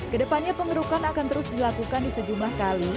kedepannya pengerukan akan terus dilakukan di sejumlah kali